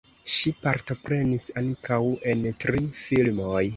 Ŝi partoprenis ankaŭ en tri filmoj.